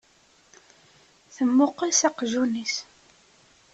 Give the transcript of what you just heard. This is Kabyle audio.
Temmuqqel s aqjun-is.